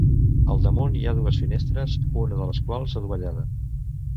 Al damunt hi ha dues finestres, una de les quals adovellada.